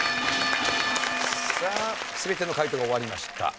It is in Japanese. さあ全ての解答が終わりました。